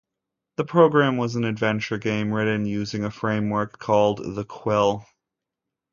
The program was an adventure game written using a framework called The Quill.